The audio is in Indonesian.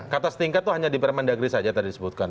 kata setingkat itu hanya di permendagri saja tadi disebutkan